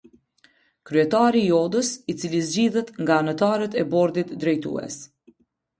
Kryetari i Odës i cili zgjidhet nga anëtarët e Bordit Drejtues.